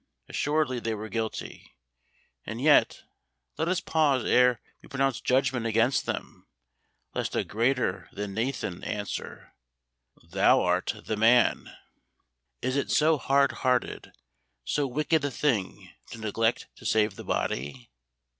Assuredly they were guilty. And yet, let us pause ere we pronounce judgment against them, lest a greater than Nathan answer, "Thou art the man." Is it so hard hearted, so wicked a thing to neglect to save the body?